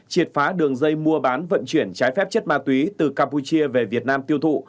triệt phá đường dây mua bán vận chuyển trái phép chất ma túy từ campuchia về việt nam tiêu thụ